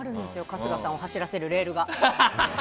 春日さんを走らせるレールが。